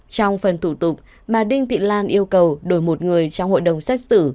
trong phần thủ tục bà đinh thị lan yêu cầu đổi một người trong hội đồng xét xử